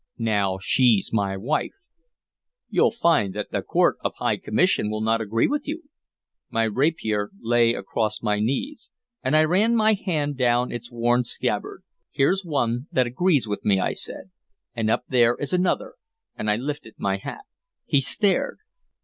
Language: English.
"Now she 's my wife." "You'll find that the Court of High Commission will not agree with you." My rapier lay across my knees, and I ran my hand down its worn scabbard. "Here 's one that agrees with me," I said. "And up there is Another," and I lifted my hat. He stared.